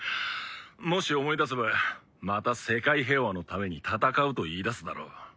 もし思い出せばまた世界平和のために戦うと言いだすだろう。